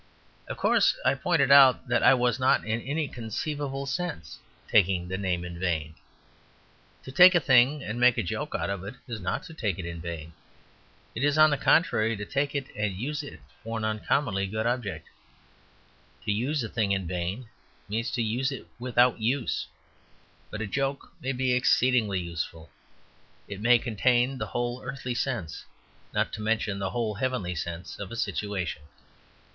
Of course, I pointed out that I was not in any conceivable sense taking the name in vain. To take a thing and make a joke out of it is not to take it in vain. It is, on the contrary, to take it and use it for an uncommonly good object. To use a thing in vain means to use it without use. But a joke may be exceedingly useful; it may contain the whole earthly sense, not to mention the whole heavenly sense, of a situation.